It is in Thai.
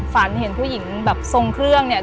ฝันเห็นผู้หญิงแบบทรงเครื่องเนี่ย